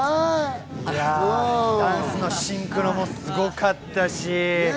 ダンスのシンクロもすごかったし。